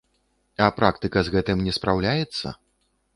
А практыка з гэтым не спраўляецца?